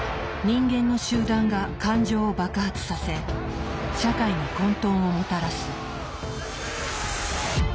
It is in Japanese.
人間の集団が感情を爆発させ社会に混沌をもたらす。